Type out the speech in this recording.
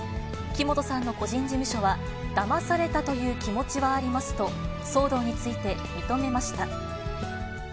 木本さんの個人事務所は、だまされたという気持ちはありますと、騒動について認めました。